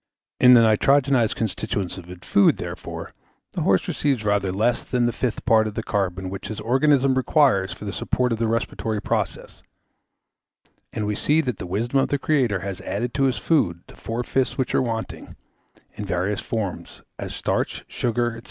In the nitrogenised constituents of his food, therefore, the horse receives rather less than the fifth part of the carbon which his organism requires for the support of the respiratory process; and we see that the wisdom of the Creator has added to his food the four fifths which are wanting, in various forms, as starch, sugar, &c.